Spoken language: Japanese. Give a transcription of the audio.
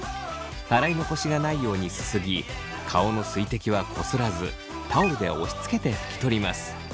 洗い残しがないようにすすぎ顔の水滴はこすらずタオルで押しつけて拭き取ります。